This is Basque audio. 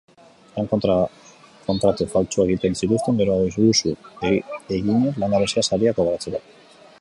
Lan kontratu faltsuak egiten zituzten, geroago, iruzur eginez langabezia saria kobratzeko.